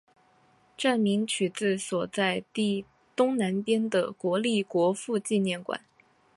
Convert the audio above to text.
站名取自所在地东南边的国立国父纪念馆。